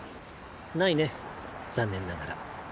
ないね残念ながら。